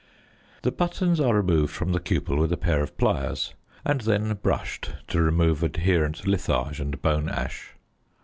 The buttons are removed from the cupel with a pair of pliers and then brushed to remove adherent litharge and bone ash.